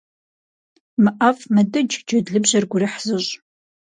Мыӏэфӏ, мыдыдж, джэд лыбжьэр гурыхь зыщӏ.